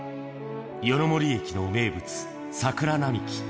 夜ノ森駅の名物、桜並木。